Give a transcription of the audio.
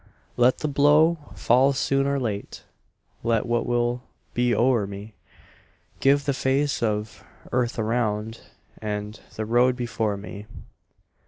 Let the blow fall soon or late, Let what will be o'er me; Give the face of earth around, And the road before me.